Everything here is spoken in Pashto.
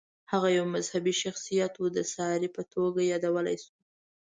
هغه یو مذهبي شخصیت و، د ساري په توګه یادولی شو.